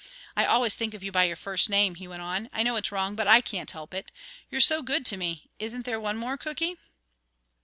I always think of you by your first name," he went on. "I know it's wrong, but I can't help it. You're so good to me. Isn't there one more cooky?"